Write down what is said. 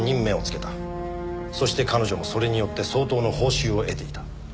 そして彼女もそれによって相当の報酬を得ていた。